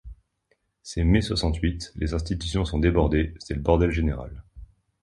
C’est Mai soixante-huit, les institutions sont débordées, c’est le bordel général.